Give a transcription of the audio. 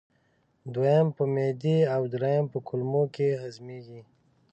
دویم په معدې او دریم په کولمو کې هضمېږي.